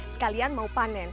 sekalian mau panen